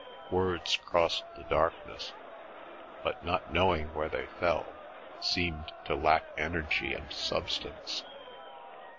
Words crossed the darkness, but, not knowing where they fell, seemed to lack energy and substance.